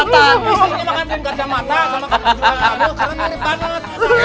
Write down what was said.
istrinya makan drink kacamata sama kakak juga